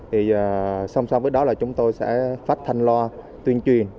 thì song song với đó là chúng tôi sẽ phát thanh lo tuyên truyền